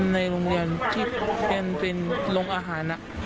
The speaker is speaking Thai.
ในโรงยันทร์ที่เปลี่ยนเป็นโรงอาหาร